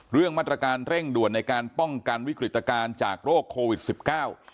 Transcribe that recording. เรื่องมาตรการเร่งด่วนในการป้องกันวิกฤตการณ์จากโรคโควิดสิบเก้า